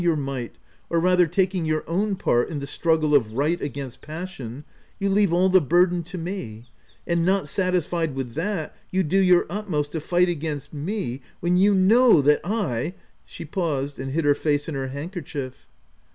your might — or rather taking your own part in the struggle of right against passion — you leave all the burden to me ;— and not satis fied with that, you do your utmost to fight against me — when you know that I " she paused, and hid her face in her handkerchief.